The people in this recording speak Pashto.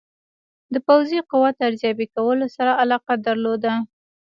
د پوځي قوت ارزیابي کولو سره علاقه درلوده.